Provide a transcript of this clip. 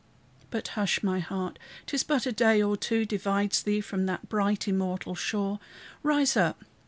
But hush, my heart! 'Tis but a day or two Divides thee from that bright, immortal shore. Rise up!